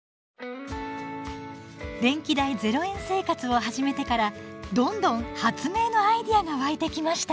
電気代０円生活を始めてからどんどん発明のアイデアが湧いてきました。